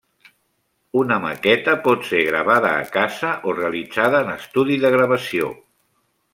Una maqueta pot ser gravada a casa o realitzada en estudi de gravació.